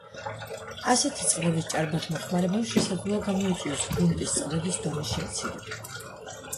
ასეთი წყლების ჭარბად მოხმარებამ შესაძლოა გამოიწვიოს გრუნტის წყლების დონის შემცირება.